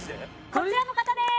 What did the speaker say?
こちらの方です！